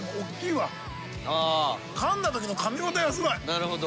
なるほど。